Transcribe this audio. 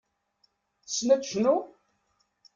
Tessen ad tecnu?